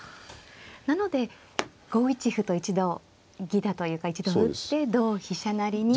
なので５一歩と一度犠打というか一度打って同飛車成に。